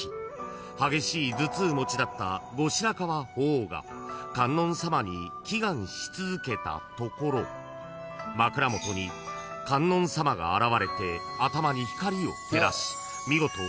［激しい頭痛持ちだった後白河法皇が観音様に祈願し続けたところ枕元に観音様が現れて頭に光を照らし見事］